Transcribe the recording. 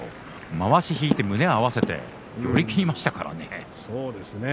まわし引いて胸を合わせて寄り切りましたからね。